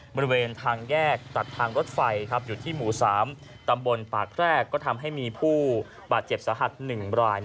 บริเวณทางแยกตัดทางรถไฟอยู่ที่หมู่๓ตำบลปากแพรกก็ทำให้มีผู้บาดเจ็บสาหัส๑ราย